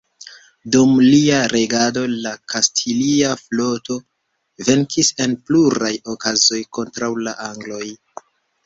Dum lia regado, la kastilia floto venkis en pluraj okazoj kontraŭ la angloj.